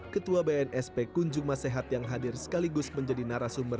ketua bnsp kunjung masehat yang hadir sekaligus menjadi narasumber